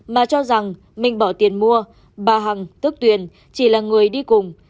mà cho rằng mình bỏ tiền mua bà hằng tức tuyền chỉ là người đi cùng